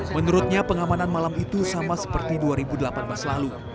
menurutnya pengamanan malam itu sama seperti dua ribu delapan belas lalu